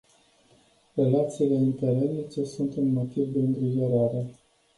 Relațiile interetnice sunt un motiv de îngrijorare.